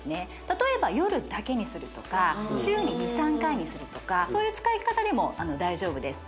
例えば夜だけにするとか週に２３回にするとかそういう使い方でも大丈夫です